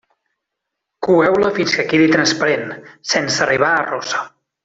Coeu-la fins que quedi transparent, sense arribar a rossa.